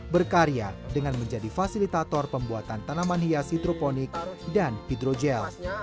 berkarya dengan menjadi fasilitator pembuatan tanaman hias hidroponik dan hidrogel